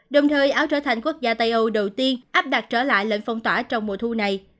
đồng thời áo trở thành quốc gia tây âu đầu tiên áp đặt trở lại lệnh phong tỏa trong mùa thu này